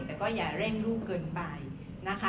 แต่ก็อย่าเร่งลูกเกินไปนะคะ